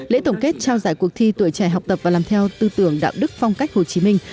lễ tổng kết trao giải cuộc thi tuổi trẻ học tập và làm theo tư tưởng đạo đức phong cách hồ chí minh